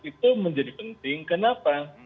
itu menjadi penting kenapa